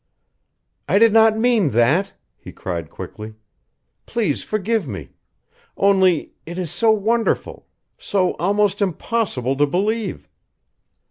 "I did not mean that," he cried, quickly. "Please forgive me. Only it is so wonderful, so almost IMPOSSIBLE to believe.